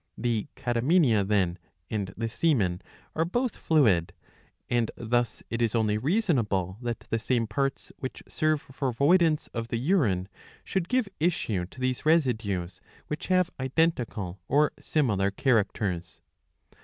^^ The catamenia, then, and the semen are both fluid, and thus it is only reasonable that the same parts which serve for voidance of the urine should give issue to these residues, which have identical or similar characters.